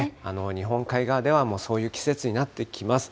日本海側ではもう、そういう季節になってきます。